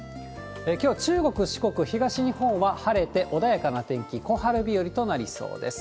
きょう、中国、四国、東日本は晴れて、穏やかな天気、小春日和となりそうです。